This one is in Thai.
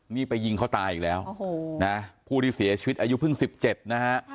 นี่ไปยิงเขาตายอีกแล้วโอ้โหนะผู้ที่เสียชีวิตอายุเพิ่ง๑๗นะฮะ